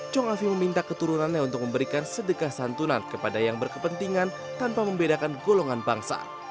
chong afi meminta keturunannya untuk memberikan sedekah santunan kepada yang berkepentingan tanpa membedakan golongan bangsa